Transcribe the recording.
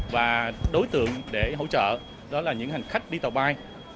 và đối tượng để hỗ trợ đó là những hành khách đi tàu bay